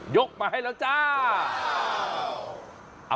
กมาให้แล้วจ้า